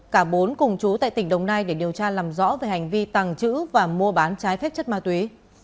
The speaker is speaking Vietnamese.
cả bốn cùng chú tại tỉnh đồng nai để điều tra làm rõ về hành vi tàng trữ và mua bán trái phép chất ma túy